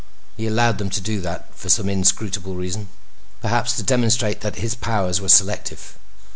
He allowed them to do that for some inscrutable reason; perhaps to demonstrate that his powers were selective.